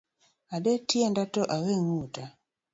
Ade tienda to awe nguta